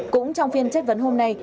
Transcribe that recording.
cũng trong phiên chất vấn hôm nay